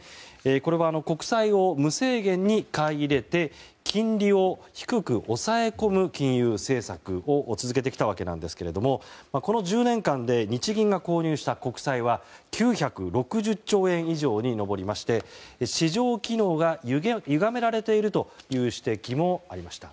これは国債を無制限に買い入れて金利を低く抑え込む金融政策を続けてきたわけなんですがこの１０年間で日銀が購入した国債は９６０兆円以上に上りまして市場機能がゆがめられているという指摘もありました。